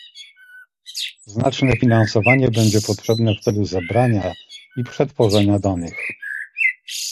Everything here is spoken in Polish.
Znaczne finansowanie będzie potrzebne w celu zebrania i przetworzenia danych